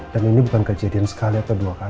dan ini bukan kejadian sekali atau dua kali